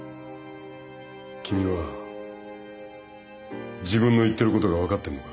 君は自分の言ってることが分かってるのか？